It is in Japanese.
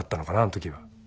あの時は。